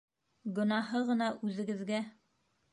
Гонаһы ғына үҙегеҙгә...